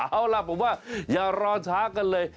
เอาล่ะผมว่าอย่ารอช้ากันเลย